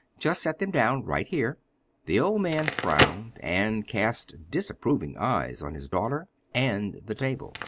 "Just set them down right here." The old man frowned and cast disapproving eyes on his daughter and the table.